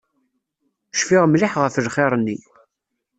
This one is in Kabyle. Cfiɣ mliḥ ɣef lxir-nni.